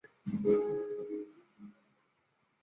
这两个级数的敛散性是一样的。